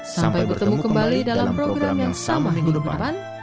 sampai bertemu kembali dalam program yang sama minggu depan